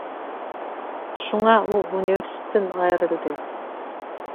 شۇڭا ئۇ ئۇنىۋېرسىتېتتىن ئايرىلدى.